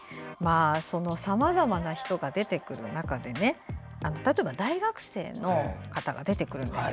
さまざまな人が出てくる中で例えば大学生の方が出てくるんですよ。